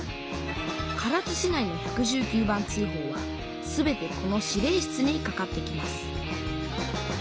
唐津市内の１１９番通ほうは全てこの指令室にかかってきます